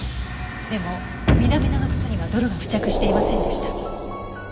でも南田の靴には泥が付着していませんでした。